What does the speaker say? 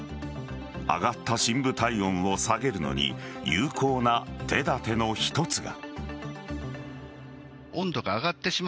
上がった深部体温を下げるのに有効な手だての一つが。